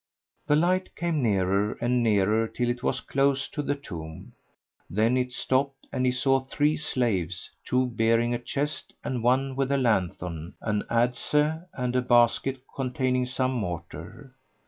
The light came nearer and nearer till it was close to the tomb; then it stopped and he saw three slaves, two bearing a chest and one with a lanthorn, an adze and a basket containing some mortar.